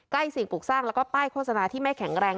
สิ่งปลูกสร้างแล้วก็ป้ายโฆษณาที่ไม่แข็งแรง